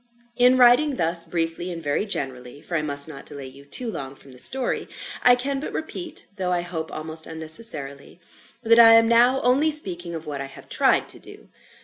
In writing thus briefly and very generally (for I must not delay you too long from the story), I can but repeat, though I hope almost unnecessarily, that I am now only speaking of what I have tried to do.